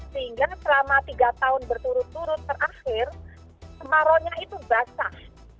sehingga selama tiga tahun berturut turut terakhir kemaraunya itu basah